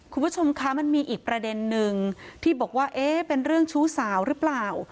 คุณผู้ชมคะมันมีอีกประเด็นนึงที่บอกว่าเอ๊ะเป็นเรื่องชู้สาวหรือเปล่า